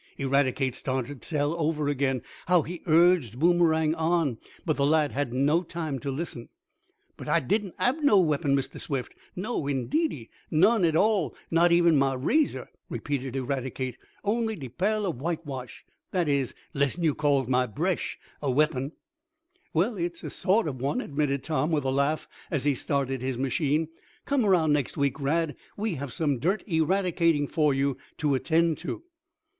Eradicate started to tell over again, how he urged Boomerang on, but the lad had no time to listen. "But I didn't hab no weapon, Mistah Swift, no indeedy, none at all, not even mah razor," repeated Eradicate. "Only de pail ob whitewash. That is, lessen yo' calls mah bresh a weapon." "Well, it's a sort of one," admitted Tom, with a laugh as he started his machine. "Come around next week, Rad. We have some dirt eradicating for you to attend to."